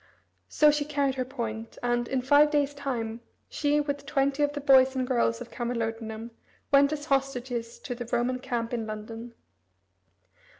So she carried her point, and, in five days' time, she, with twenty of the boys and girls of Camalodunum, went as hostages to the Roman camp in London.